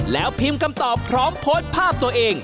แล้วพิมพ์คำตอบพร้อมโพสต์ภาพตัวเอง